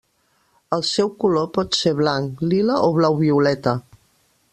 El seu color pot ser blanc, lila o blau-violeta.